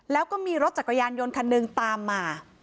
แล้วก็มีรถจักรยานยนต์คันหนึ่งตามมา